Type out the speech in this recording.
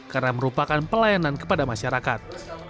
karena merupakan pelayanan kepada masyarakat